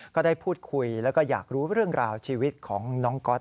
ก็ได้พูดคุยแล้วก็อยากรู้เรื่องราวชีวิตของน้องก๊อต